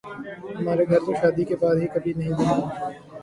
ہمارے گھر تو شادی کے بعد سے ہی کبھی نہیں بنی